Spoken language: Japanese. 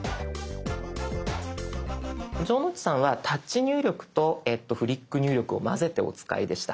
城之内さんはタッチ入力とフリック入力をまぜてお使いでした。